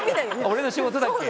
俺の仕事だっけ？